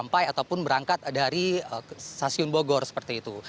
sampai ataupun berangkat dari stasiun bogor seperti itu